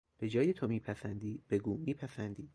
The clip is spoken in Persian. به جای تو میپسندی بگو میپسندید